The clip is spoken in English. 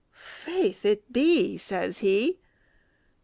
"Faith, it be!" says he.